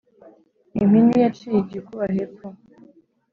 Impini yaciye igikuba hepfo